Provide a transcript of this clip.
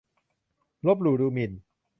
ลบหลู่ดูหมิ่น